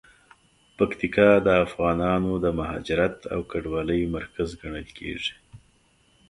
پکتیکا د افغانانو د مهاجرت او کډوالۍ مرکز ګڼل کیږي.